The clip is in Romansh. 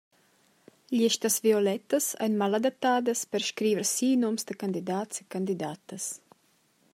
Gliestas violettas ein maladattadas per scriver si nums da candidats e candidatas.